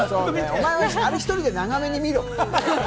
お前はあれ１人で長めに見ろ。